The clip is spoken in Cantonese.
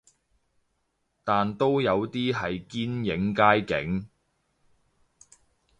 但都有啲係堅影街景